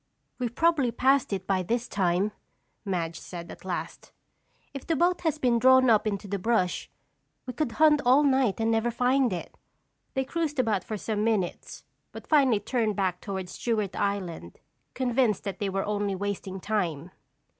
"We've probably passed it by this time," Madge said at last. "If the boat has been drawn up into the brush we could hunt all night and never find it." They cruised about for some minutes but finally turned back toward Stewart Island, convinced that they were only wasting time.